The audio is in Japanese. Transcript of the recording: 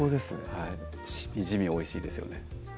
はいしみじみおいしいですよね